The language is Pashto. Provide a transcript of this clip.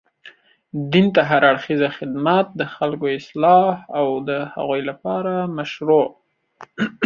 دين ته هر اړخيزه خدمت، د خلګو اصلاح او د هغوی لپاره مشروع